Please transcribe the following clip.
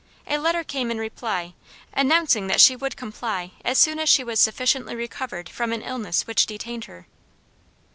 A letter came in reply, announcing that she would comply as soon as she was sufficiently recovered from an illness which detained her.